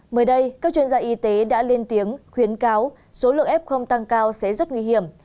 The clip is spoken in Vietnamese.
mới đây các chuyên gia y tế đã lên tiếng khuyến cáo số lượng f tăng cao sẽ rất nguy hiểm